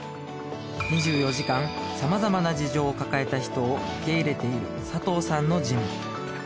２４時間さまざまな事情を抱えた人を受け入れている佐藤さんのジム